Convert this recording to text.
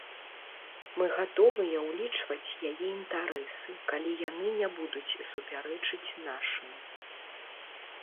Мы гатовыя ўлічваць яе інтарэсы, калі яны не будуць супярэчыць нашым.